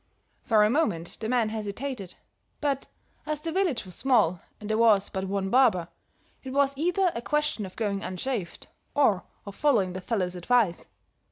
"For a moment the man hesitated; but, as the village was small, and there was but one barber, it was either a question of going unshaved, or of following the fellow's advice.